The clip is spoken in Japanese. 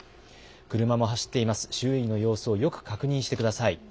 車も走っています、周囲の様子をよく確認してください。